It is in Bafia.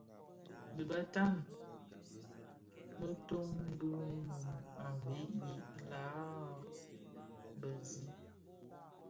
Dhi bëtan beton bi mum a veg i læham bë zi.